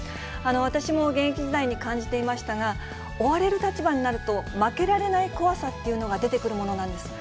私も現役時代に感じていましたが、追われる立場になると、負けられない怖さっていうのが出てくるものなんです。